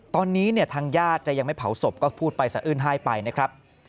ตอนนี้เนี่ยทางญาติจะยังไม่เผาศพก็พูดไปสะอื้นไห้ไปนะครับ